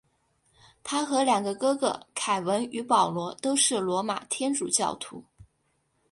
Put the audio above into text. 他和两个哥哥凯文与保罗都是罗马天主教徒。